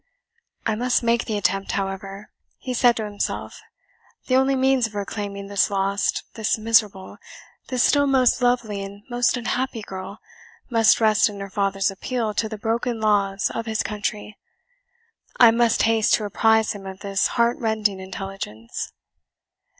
"I must make the attempt, however," he said to himself; "the only means of reclaiming this lost this miserable this still most lovely and most unhappy girl, must rest in her father's appeal to the broken laws of his country. I must haste to apprise him of this heartrending intelligence."